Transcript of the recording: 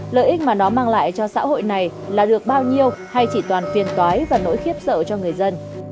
lợi ích mà nó mang lại cho xã hội này là được bao nhiêu hay chỉ toàn phiền tói và nỗi khiếp sợ cho người dân